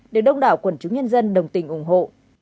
được đông đảo quần chúng nhân dân đồng tình ủng hộ